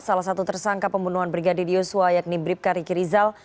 salah satu tersangka pembunuhan brigadir yosua yakni bribka riki rizal